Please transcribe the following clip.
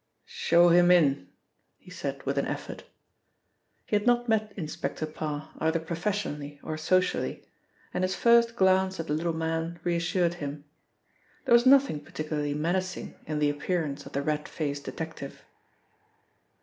"Show him in," he said with an effort. He had not met Inspector Parr either professionally or socially, and his first glance at the little man reassured him. There was nothing particularly menacing in the appearance of the red faced detective.